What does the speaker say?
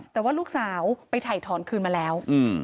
แต่ว่าลูกสาวไปถ่ายถอนคืนมาแล้ว